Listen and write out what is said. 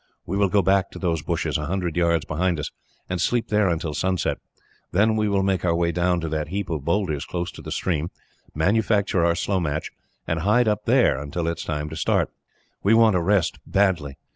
We will go back to those bushes, a hundred yards behind us, and sleep there until sunset; then we will make our way down to that heap of boulders close to the stream, manufacture our slow match, and hide up there until it is time to start. We want a rest, badly.